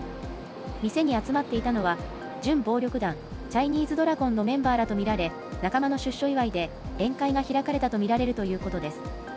店に集まっていたのは、準暴力団、チャイニーズドラゴンのメンバーらと見られ、仲間の出所祝いで宴会が開かれたと見られるということです。